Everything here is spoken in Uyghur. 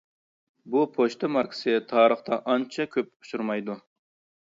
بۇ پوچتا ماركىسى تارىختا ئانچە كۆپ ئۇچرىمايدۇ.